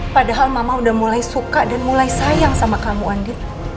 padahal mama udah mulai suka dan mulai sayang sama kamu andi